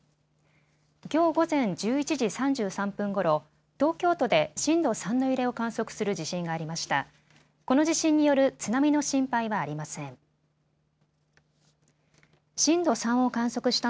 きょう午前１１時３３分ごろ、東京都で震度３の揺れを観測する地震がありました。